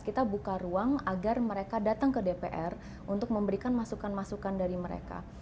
kita buka ruang agar mereka datang ke dpr untuk memberikan masukan masukan dari mereka